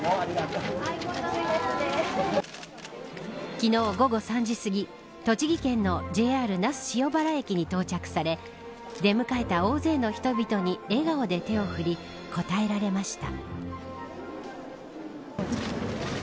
昨日午後３時すぎ栃木県のＪＲ那須塩原駅に到着され出迎えた大勢の人々に笑顔で手を振り応えられました。